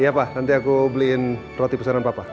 iya pak nanti aku beliin roti pesanan papa